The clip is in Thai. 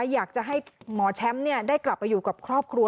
อยากจะให้หมอแชมป์ได้กลับไปอยู่กับครอบครัว